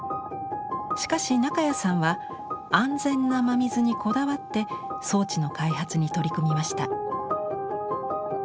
しかし中谷さんは安全な真水にこだわって装置の開発に取り組みました。